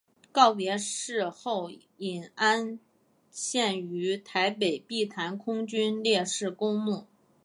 告别式后发引安厝于台北碧潭空军烈士公墓。